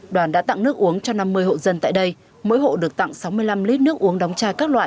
đoàn đã tặng nước uống cho năm mươi hộ dân tại đây mỗi hộ được tặng sáu mươi năm lít nước uống đóng chai các loại